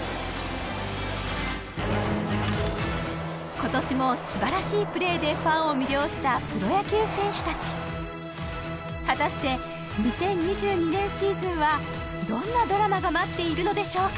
今年も素晴らしいプレーでファンを魅了したプロ野球選手たち果たして２０２２年シーズンはどんなドラマが待っているのでしょうか